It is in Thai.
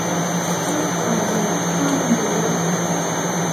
วิ่งกระโดดข้ามรั้ว